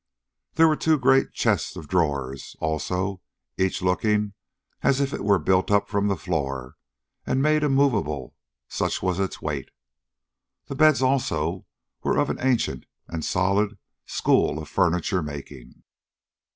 There were two great chests of drawers, also, each looking as if it were built up from the floor and made immovable, such was its weight. The beds, also, were of an ancient and solid school of furniture making.